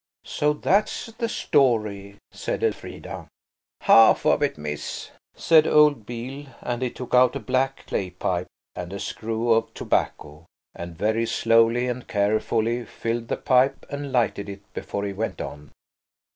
"So that's the story," said Elfrida. "Half of it, miss," said old Beale, and he took out a black clay pipe and a screw of tobacco, and very slowly and carefully filled the pipe and lighted it, before he went on.